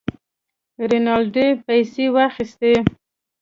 رینالډي پیسې واخیستې.